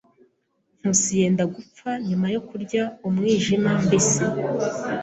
Nkusi yenda gupfa nyuma yo kurya umwijima mbisi.